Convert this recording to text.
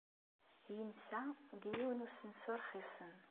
Yensa deg yiwen n usensu rxisen.